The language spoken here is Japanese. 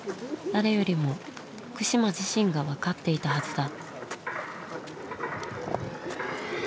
誰よりも福島自身が分かっていたはずだ。